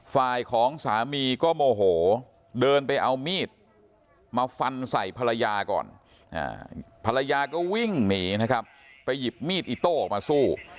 ฝ่ายของสามีก็โมโหเดินไปเอามีดมาฟันใส่ภรรยาก่อนภรรยาก็วิ่งหนีนะครับไปหยิบมีดอิโต้ออกมาสู้